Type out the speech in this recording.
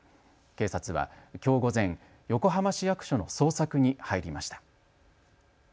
警察はきょう午前、横浜市役所の捜索に入りました。